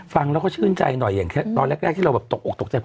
ฟังแล้วก็ชื่นใจหน่อยอย่างตอนแรกที่เราแบบตกออกตกใจ